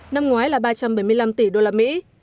năm ngoái là ba trăm bảy mươi năm tỷ đô la mỹ